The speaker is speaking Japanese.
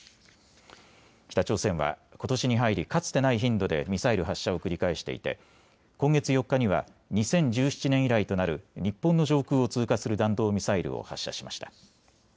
北朝鮮はことしに入りかつてない頻度でミサイル発射を繰り返していて今月４日には２０１７年以来となる日本の上空を通過する弾道ミサイルを発射しました。